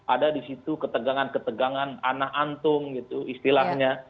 ada di situ ketegangan ketegangan anak antung gitu istilahnya